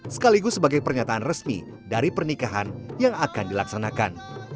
sekaligus sebagai pernyataan resmi dari pernikahan yang akan dilaksanakan